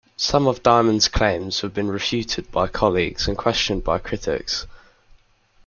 Some of Diamond's claims have been refuted by colleagues and questioned by critics.